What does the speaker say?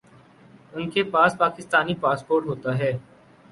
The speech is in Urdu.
انکے پاس پاکستانی پاسپورٹ ہوتا ہے